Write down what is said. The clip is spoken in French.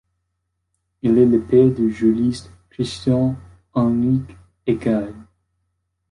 Il est le père du juriste Christian Heinrich Eckhard.